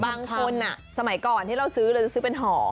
สมัยก่อนที่เราซื้อเราจะซื้อเป็นห่อ